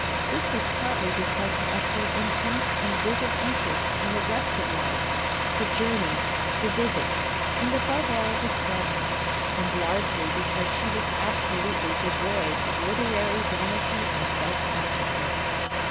This was partly because of her intense and vivid interest in the rest of life, the journeys, the visits, and above all the friends, and largely be cause she was absolutely devoid of literary vanity or self consciousness.